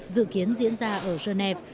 dự kiến diễn ra ở genève